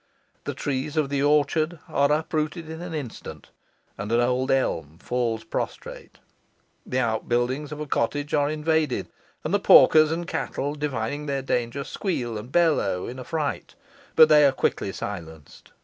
The trees of the orchard are uprooted in an instant, and an old elm falls prostrate. The outbuildings of a cottage are invaded, and the porkers and cattle, divining their danger, squeal and bellow in affright. But they are quickly silenced.